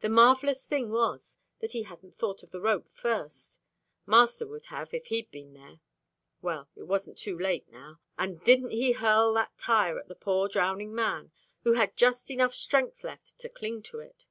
The marvellous thing was, that he hadn't thought of the rope at first. Master would have, if he'd been there. Well, it wasn't too late now, and didn't he hurl that tire at the poor drowning man who had just enough strength left to cling to it.